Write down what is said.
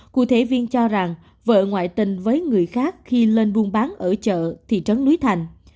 cụ thể viên cho rằng vợ ngoại tình với người khác khi lên buôn bán ở chợ thị trấn núi thành